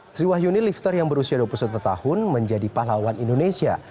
sri wahyuni lifter yang berusia dua puluh satu tahun menjadi pahlawan indonesia